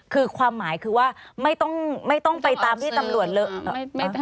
คือความหมายคือว่าไม่ต้องไปตามที่ตำรวจเลอะ